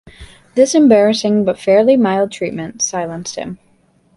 This embarrassing but fairly mild treatment silenced him.